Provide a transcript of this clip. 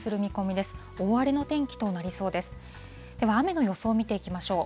では、雨の予想を見ていきましょう。